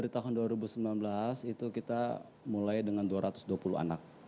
di tahun dua ribu sembilan belas itu kita mulai dengan dua ratus dua puluh anak